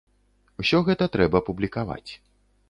Усё гэта трэба публікаваць.